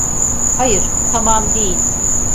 Hayır, tamam değil.